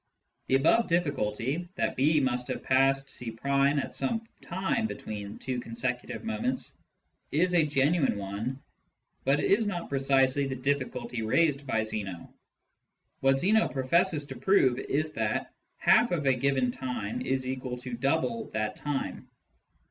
The above difficulty, that B must have passed C at some time between two consecutive moments, is a genuine one, but is not precisely the difficulty raised by Zeno. What Zeno professes to prove is that " half of a given time is equal to double that time."